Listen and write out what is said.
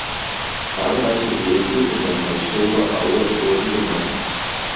Zahlreiche Wege in der Malchower Aue wurden benannt.